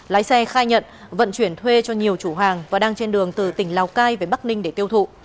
lái xe khai nhận vận chuyển thuê cho nhiều chủ hàng và đang trên đường từ tỉnh lào cai về bắc ninh để tiêu thụ